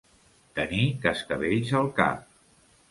Tenir cascavells al cap.